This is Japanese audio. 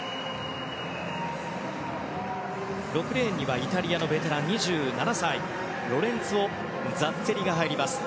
６レーンにはイタリアのベテラン、２７歳ロレンツォ・ザッツェリが入ります。